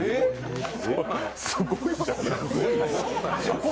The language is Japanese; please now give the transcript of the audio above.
すごいじゃない。